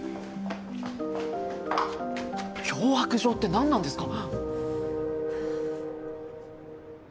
脅迫状ってなんなんですか？